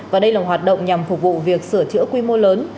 và đây là hoạt động nhằm phục vụ việc sửa chữa quy mô lớn